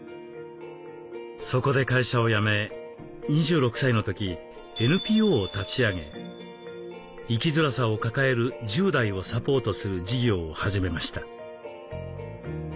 そこで会社を辞め２６歳の時ＮＰＯを立ち上げ生きづらさを抱える１０代をサポートする事業を始めました。